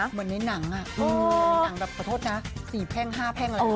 เหมือนในหนังประโทษนะ๔แพ่ง๕แพ่ง